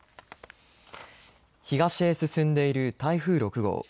東へ進んでいる台風６号。